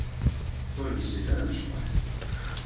Ur nessin ara ad necḍeḥ.